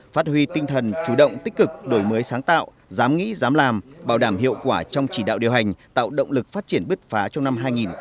phát huy tinh thần chủ động tích cực đổi mới sáng tạo dám nghĩ dám làm bảo đảm hiệu quả trong chỉ đạo điều hành tạo động lực phát triển bứt phá trong năm hai nghìn hai mươi